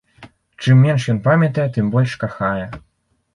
Чым менш ён памятае, тым больш кахае.